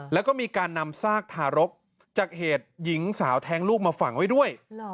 แล้วก็มีการนำซากทารกจากเหตุหญิงสาวแท้งลูกมาฝังไว้ด้วย